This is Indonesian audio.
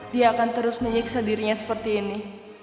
dia akan terus menyiksa dirinya seperti ini